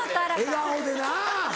笑顔でなぁ。